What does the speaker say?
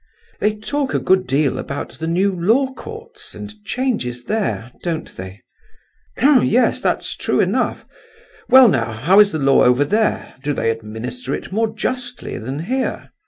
They talk a good deal about the new law courts, and changes there, don't they?" "H'm! yes, that's true enough. Well now, how is the law over there, do they administer it more justly than here?"